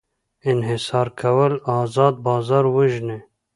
انحصار کول ازاد بازار وژني.